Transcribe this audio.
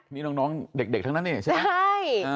นี่น้องเด็กทั้งนั้นเนี่ยใช่มั้ย